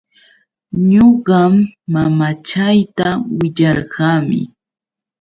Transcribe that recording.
Ñuqam mamachayta willarqani.